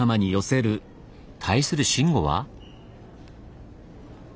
対する慎吾は？